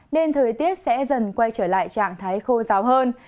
nên thời tiết sẽ dần quay trở lại trạng thái khô giáo hơn